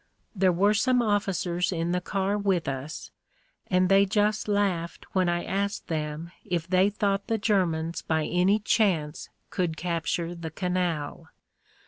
There were some officers in the car with us, and they just laughed when I asked them if they thought the Ger mans by any chance could capture the canal.